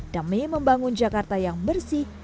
demi membangun jakarta yang bersih